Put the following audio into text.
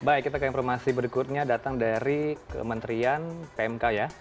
baik kita ke informasi berikutnya datang dari kementerian pmk ya